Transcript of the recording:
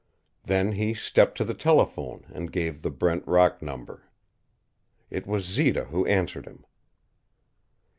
Then he stepped to the telephone and gave the Brent Rock number. It was Zita who answered him.